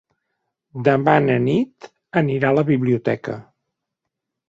Demà na Nit anirà a la biblioteca.